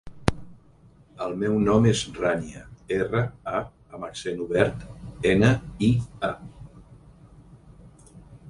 El meu nom és Rània: erra, a amb accent obert, ena, i, a.